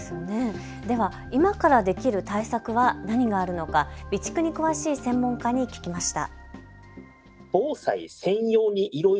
では今からできる対策は何があるのか備蓄に詳しい専門家に聞きました。